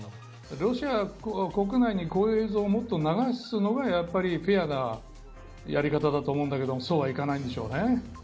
ロシア国内にこういう映像をもっと流すのがフェアなやり方だと思うんだけどそうはいかないんでしょうね。